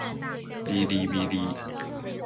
《哔哩哔哩隐私政策》目录